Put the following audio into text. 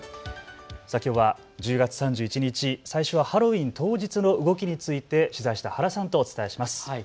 きょうは１０月３１日、最初はハロウィーン当日の動きについて取材した原さんとお伝えします。